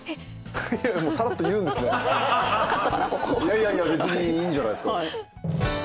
いや別にいいんじゃないですか。